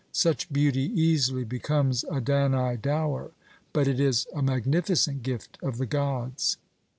Such beauty easily becomes a Danae dower; but it is a magnificent gift of the gods!